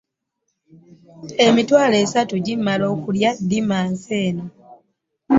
Emitwalo esatu gimmala okulya ddimansi emu.